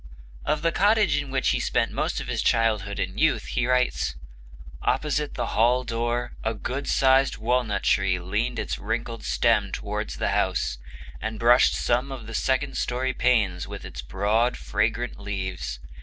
Of the cottage in which he spent most of his childhood and youth he writes: "Opposite the hall door a good sized walnut tree leaned its wrinkled stem towards the house, and brushed some of the second story panes with its broad, fragrant leaves.